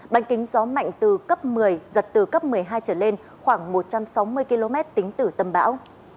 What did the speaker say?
ban kính gió mạnh từ cấp một mươi giật từ cấp một mươi hai trở lên khoảng một trăm sáu mươi km tính từ tâm bão